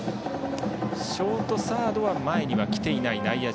ショート、サードは前には来ていません。